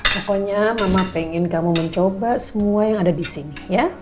pokoknya mama pengen kamu mencoba semua yang ada di sini